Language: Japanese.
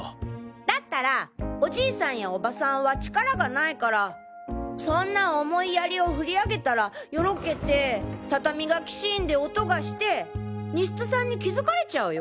だったらおじいさんやオバさんは力がないからそんな重い槍を振り上げたらよろけて畳がきしんで音がして西津さんに気づかれちゃうよ！